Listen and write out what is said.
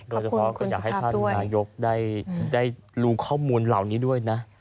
ก็จะขออยากให้ท่านมายกได้รู้ข้อมูลเหล่านี้ด้วยนะ